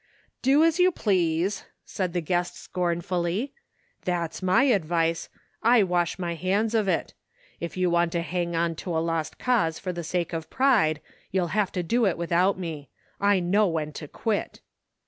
"Do as you please," said the guest scornfully. " That's my advice. I wash my hands of it If you want to hang on to a lost cause for the sake of pride you'll have to do it without me. I know when to quit."